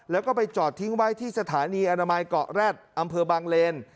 แล้วก็ไปจอดทิ้งไว้ที่สถานีอนามัยเกาะแร็ดอำเภอบางเลน